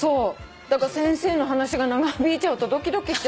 だから先生の話が長引いちゃうとドキドキしちゃった。